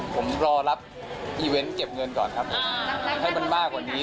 ผมรอรับอีเวนต์เก็บเงินก่อนครับผมให้มันมากกว่านี้